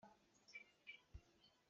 Ün es dafatta casü sül davant il rai.